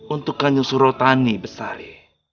untuk kanjung surotani besari